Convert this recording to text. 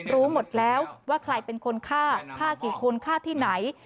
รู้หมดแล้วว่าใครเป็นคนฆ่าฆ่ากี่คนฆ่าที่ไหน